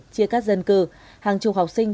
chia cắt dân cư hàng chục học sinh